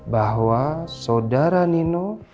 bahwa saudara nino